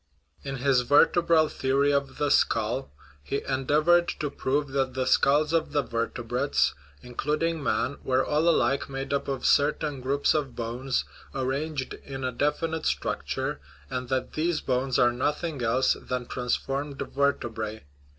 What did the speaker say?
In his vertebral theory of the skull he endeavored to prove that the skulls of the vertebrates including man were all alike made up of certain groups of bones, arranged in a definite structure, and that these bones are nothing else than transformed ver tebrae.